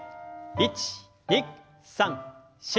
１２３４。